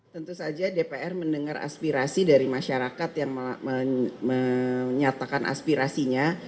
tentu saja dpr mendengar aspirasi dari masyarakat yang menyatakan aspirasinya